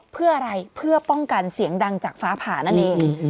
เพื่ออะไรเพื่อป้องกันเสียงดังจากฟ้าผ่านั่นเอง